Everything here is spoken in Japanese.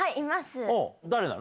誰なの？